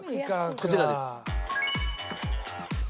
こちらです。